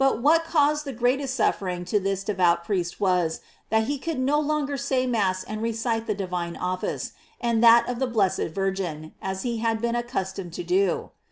what caused the greatest suffering to this devout priest was, that he could no longer say Mass and recite the divine office, and that of the blessed Virgin, as he had been accustomed to do.